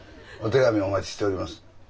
お手紙お待ちしております。